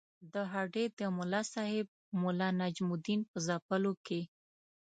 د هډې د ملاصاحب ملا نجم الدین په ځپلو کې.